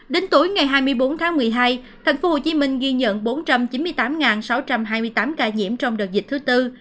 đến tối ngày hai mươi bốn tháng một mươi hai tp hcm ghi nhận bốn trăm chín mươi tám sáu trăm hai mươi tám ca nhiễm trong đợt dịch thứ tư